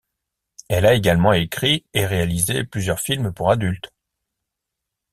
Elle a également écrit et réalisé plusieurs films pour adultes.